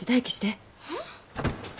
えっ？